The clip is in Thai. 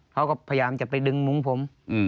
เขาก็พยายามจะไปดึงมุ้งผม